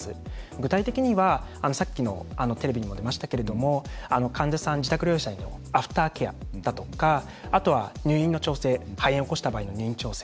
具体的には、さっきのテレビにも出ましたけれども患者さん、自宅療養者へのアフターケアだとか、あとは肺炎を起こした場合の入院調整。